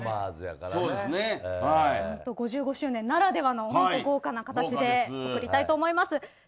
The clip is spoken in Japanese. ５５周年ならではの豪華な形でやりたいと思います。